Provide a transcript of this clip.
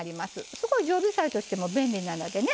すごい常備菜としても便利なのでね